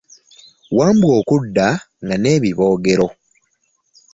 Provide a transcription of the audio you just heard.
Wambwa okudda, nga n'ebibogero .